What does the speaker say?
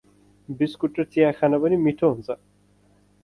Biscuit र चिया खान पनि मिठो हुन्छ ।